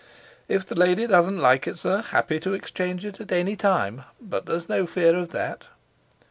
"If the lady doesn't like it, sir, happy to exchange it any time. But there's no fear of that."